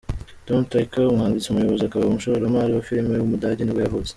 Tom Tykwer, umwanditsi, umuyobozi akaba n’umushoramari wa filime w’umudage nibwo yavutse.